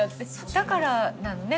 だからなのね